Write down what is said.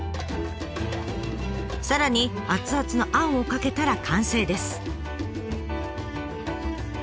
さらに熱々のあんをかけたら完成です。